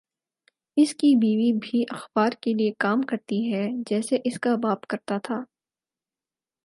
اس کی بیوی بھِی اخبار کے لیے کام کرتی ہے جیسے اس کا باپ کرتا تھا